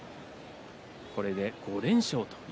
これで５連勝です。